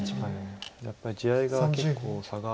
やっぱり地合いが結構差が。